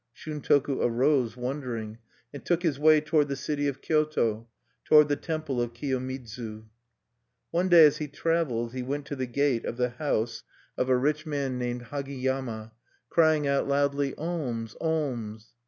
Shuntoku arose, wondering, and took his way toward the city of Kyoto, toward the temple of Kiyomidzu. One day, as he traveled, he went to the gate of the house of a rich man named Hagiyama, crying out loudly: "Alms! alms!"